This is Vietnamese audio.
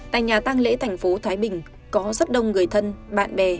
tại nhà tăng lễ thành phố thái bình có rất đông người thân bạn bè